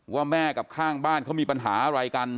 ว่าแม่กับข้างบ้านเขามีปัญหาอะไรกัน